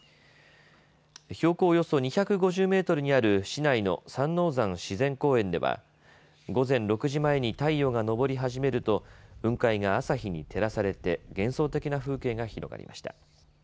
標高およそ２５０メートルにある市内の三王山自然公園では午前６時前に太陽が昇り始めると雲海が朝日に照らされて幻想的な風景が広がりました。